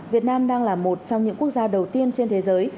việt nam đang là một trong những quốc gia đầu tiên trên thế giới